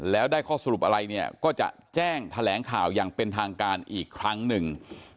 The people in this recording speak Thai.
แล้วได้ข้อสรุปอะไรเนี่ยก็จะแจ้งแถลงข่าวอย่างเป็นทางการอีกครั้งหนึ่ง